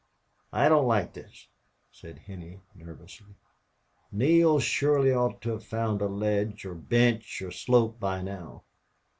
"I don't like this," said Henney, nervously. "Neale surely ought to have found a ledge or bench or slope by now."